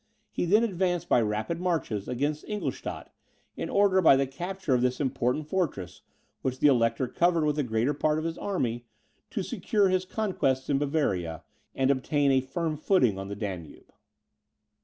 He then advanced, by rapid marches, against Ingolstadt, in order, by the capture of this important fortress, which the Elector covered with the greater part of his army, to secure his conquests in Bavaria, and obtain a firm footing on the Danube.